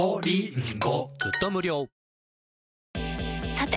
さて！